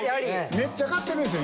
めっちゃ買ってるんですよ。